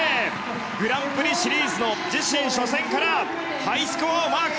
グランプリシリーズの自身初戦からハイスコアをマーク。